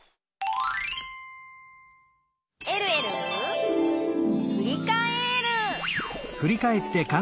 「えるえるふりかえる」